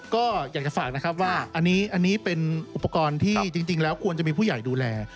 ก็อยากจะฝากนะครับว่าอันนี้เป็นอุปกรณ์ที่จริงแล้วควรจะมีผู้ใหญ่ดูแล